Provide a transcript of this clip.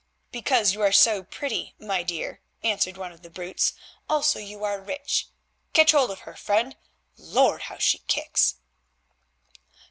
"Because you are so pretty, my dear," answered one of the brutes, "also you are rich. Catch hold of her, friend. Lord! how she kicks!"